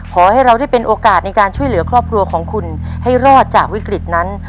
ขอให้เราได้เป็นโอกาสในการช่วยเหลือครอบครัวของคุณให้รอดจากวิกฤตนั้น